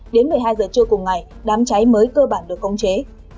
đến một mươi hai giờ trưa cùng ngày đám cháy mới cơ bản được khống chế